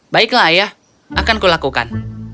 baiklah ayah akan kulakukan